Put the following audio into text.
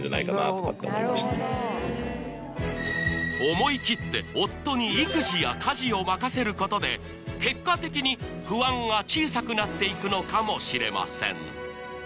思い切って夫に育児や家事を任せることで結果的に不安が小さくなっていくのかもしれません